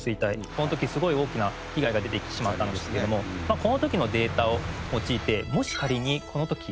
この時すごい大きな被害が出てしまったんですけどもこの時のデータを用いてもし仮にこの時フェーズドアレイ